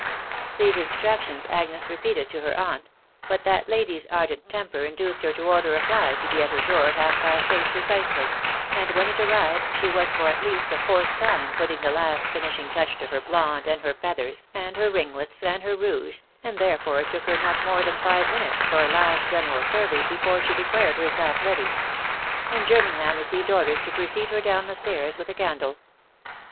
These instructions Agnes repeated to her aunt; but that lady's ardent temper induced her to order a fly to be at her door at half past eight precisely ; and yjY^tv \\. uncWe&, ^& ,^ras for at least the fourth time putting the last finishing touch4 X° her blonde, and her feathers, and her ringlets, and her ouge, and therefore it took her not more than five minutes for a last general survey, before she declared herself " ready !" and Jerningham received orders to precede her down the stairs with a candle.